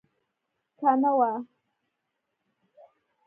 که نه وه.